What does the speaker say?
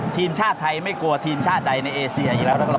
ทีมชาติไทยไม่กลัวทีมชาติใดในเอเซียอีกแล้วนะครับ